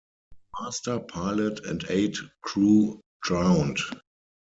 The master, pilot and eight crew drowned.